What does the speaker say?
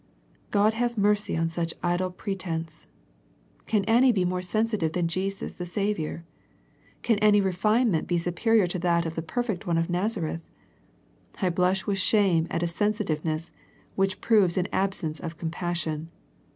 God have mercy on such idle pre tence. Can any be more sensitive than Jesus the Saviour ? Can any refinement be superior to that of the perfect One of Nazareth? I blush with shame at a sensitiveness which proves an absence of compassion.